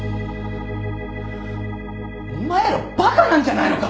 お前らバカなんじゃないのか！？